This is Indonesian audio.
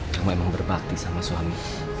kamu emang berbakti sama suami